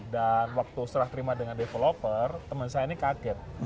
dan waktu serah terima dengan developer teman saya ini kaget